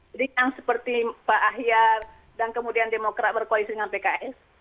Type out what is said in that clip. jadi yang seperti pak akhir dan kemudian demokrat berkoalisi dengan pks